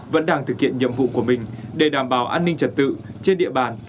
vẫn đang thực hiện nhiệm vụ của mình để đảm bảo an ninh trật tự trên địa bàn